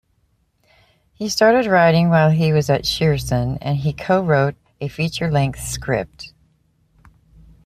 He started writing while he was at Shearson, and he co-wrote a feature-length script.